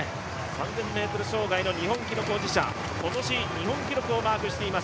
３０００ｍ障害の日本記録保持者、今年日本記録をマークしています。